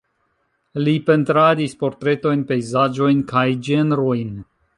Li pentradis portretojn, pejzaĝojn kaj ĝenrojn.